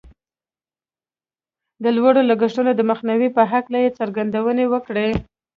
د لوړو لګښتونو د مخنیوي په هکله یې څرګندونې وکړې